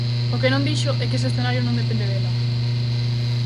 O que non dixo é que ese escenario non depende dela.